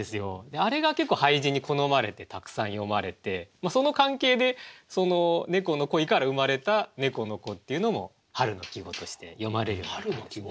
あれが結構俳人に好まれてたくさん詠まれてその関係で「猫の恋」から生まれた「猫の子」っていうのも春の季語として詠まれるようになったんですね。